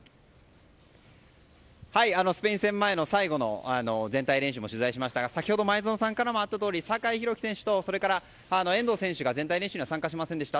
スペイン戦前の最後の全体練習も取材しましたが、先ほど前園さんからもあったとおり酒井宏樹選手と遠藤選手が全体練習に参加しませんでした。